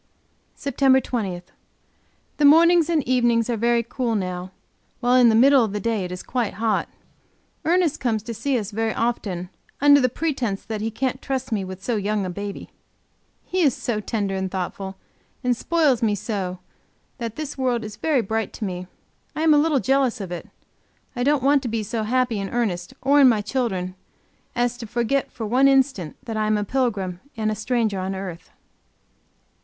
SEPTEMBER 20. The mornings and evenings are very cool now, while in the middle of the day it is quite hot. Ernest comes to see us very often, under the pretense that he can't trust me with so young a baby ! He is so tender and thoughtful, and spoils me so, that this world is very bright to me; I am a little jealous of it; I don't want to be so happy in Ernest, or in my children, as to forget for one instant that I am a pilgrim and a stranger on earth.